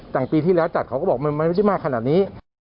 ต่างปีที่แล้วจัดเขาก็บอกว่ามันไม่ได้มาขนาดนี้